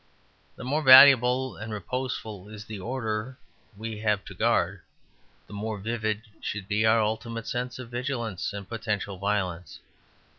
The more valuable and reposeful is the order we have to guard, the more vivid should be our ultimate sense of vigilance and potential violence.